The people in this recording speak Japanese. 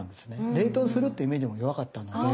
冷凍するってイメージも弱かったので。